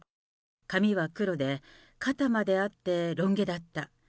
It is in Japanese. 髪は黒で、肩まであって、ロン毛だった。